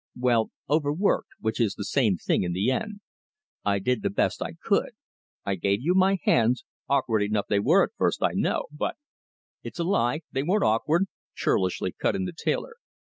"Well, overworked, which is the same thing in the end. I did the best I could: I gave you my hands awkward enough they were at first, I know, but " "It's a lie. They weren't awkward," churlishly cut in the tailor.